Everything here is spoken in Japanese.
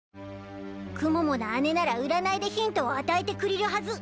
クモモの姉なら占いでヒントを与えてくりるはず。